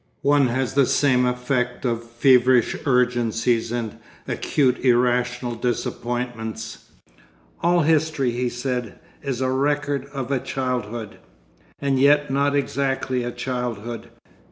One has the same effect of feverish urgencies and acute irrational disappointments. 'All history,' he said, 'is a record of a childhood.... 'And yet not exactly a childhood.